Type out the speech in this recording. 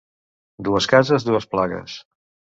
Dues cases, dues plagues.